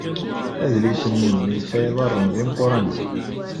Aydi-nnem yesɛa iḍarren d imeqranen!